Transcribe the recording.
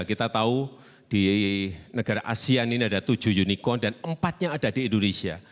kita tahu di negara asean ini ada tujuh unicorn dan empat nya ada di indonesia